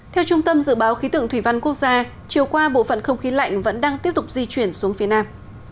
theo trung tâm dự báo khí tượng thủy văn quốc gia chiều qua bộ phận không khí lạnh vẫn đang tiếp tục di chuyển xuống phía nam